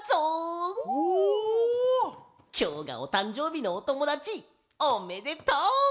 きょうがおたんじょうびのおともだちおめでとう！